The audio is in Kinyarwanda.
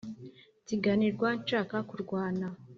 nsinganirwa nshaka kurwana